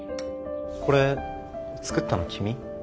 これ作ったの君？